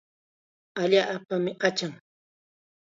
Allaapami achan.